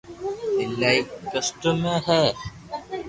ايلائي ڪسٽ ۾ ھي